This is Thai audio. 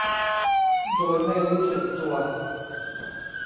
โดยไม่รู้สึกตัว